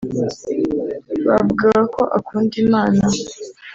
bavugaga ko akunda Imana